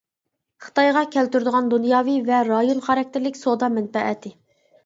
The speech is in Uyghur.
خىتايغا كەلتۈرىدىغان دۇنياۋى ۋە رايون خاراكتېرلىك سودا مەنپەئەتى.